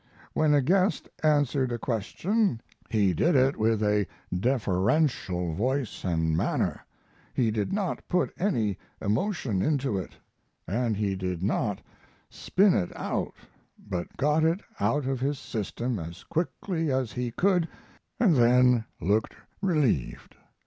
When a guest answered a question he did it with a deferential voice and manner; he did not put any emotion into it, and he did not spin it out, but got it out of his system as quickly as he could, and then looked relieved.